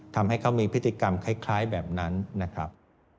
ทำให้เขามีพฤติกรรมคล้ายแบบนั้นนะครับ